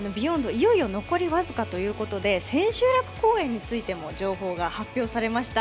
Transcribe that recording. いよいよ残り僅かということで千秋楽公演についても情報が発表されました。